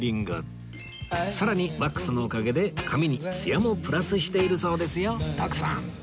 さらにワックスのおかげで髪にツヤもプラスしているそうですよ徳さん